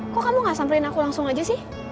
kok kamu nggak samperin aku langsung aja sih